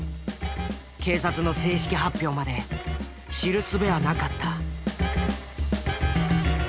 警察の正式発表まで知るすべはなかった。